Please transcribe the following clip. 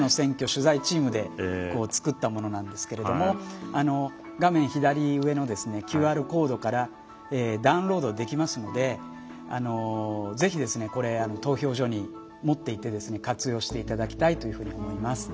取材チームで作ったものなんですけども画面左上のＱＲコードからダウンロードできますのでぜひこれ、投票所に持っていって活用していただきたいと思います。